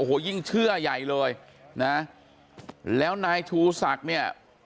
โอ้โหยิ่งเชื่อใหญ่เลยนะแล้วนายชูศักดิ์เนี่ย